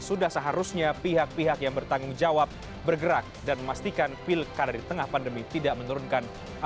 sudah seharusnya pihak pihak yang bertanggung jawab bergerak dan memastikan pilkada di tengah pandemi tidak menurunkan